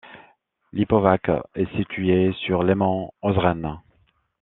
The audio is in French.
Lipovac est situé sur les monts Ozren.